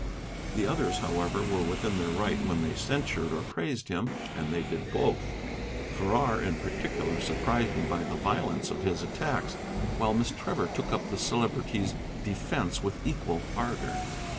The others, however, were within their right when they censured or praised him, and they did both. Farrar, in particular, surprised me by the violence of his attacks, while Miss Trevor took up the Celebrity's defence with equal ardor.